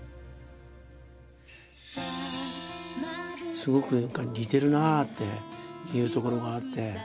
すごく似てるなあっていうところがあって。